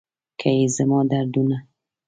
که یې زما دردونه